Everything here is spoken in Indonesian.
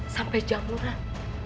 sampai jam nuran